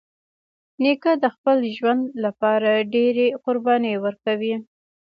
نیکه د خپل ژوند له پاره ډېری قربانۍ ورکوي.